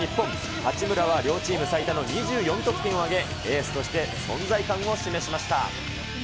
八村は両チーム最多の２４得点を挙げ、エースとして存在感を示しました。